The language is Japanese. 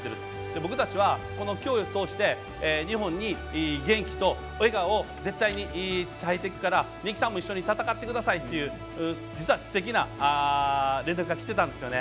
僕たちは、この競技を通して日本に元気と笑顔を絶対に伝えていくから根木さんも一緒に戦ってくださいという実はすてきな連絡がきていたんですよね。